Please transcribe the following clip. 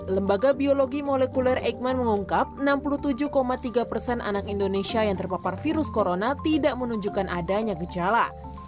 lembaga biologi molekuler eikman mengungkap enam puluh tujuh tiga persen anak indonesia yang terpapar virus corona tidak menunjukkan adanya gejala